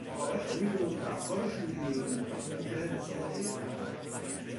خوابش نمیبرد و افکار شوریدهی او متوجه مسابقهی فردا بود.